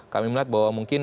kita akan menanggung ini